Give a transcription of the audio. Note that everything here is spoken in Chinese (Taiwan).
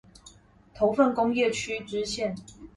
頭份工業區支線